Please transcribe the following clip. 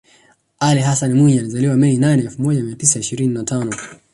Ali Hassan Mwinyi alizaliwa Mei nane elfu moja mia tisa ishirini na tano